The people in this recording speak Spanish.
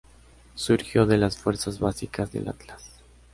Surgió de las fuerzas básicas del Atlas.